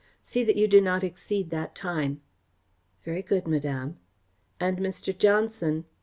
See that you do not exceed that time." "Very good, Madame." "And Mr. Johnson!"